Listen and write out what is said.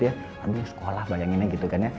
ya aduh sekolah bayanginnya gitu kan ya